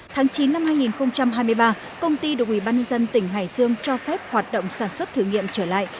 tháng chín năm hai nghìn hai mươi ba công ty được ủy ban nhân dân tỉnh hải dương cho phép hoạt động sản xuất thử nghiệm trở lại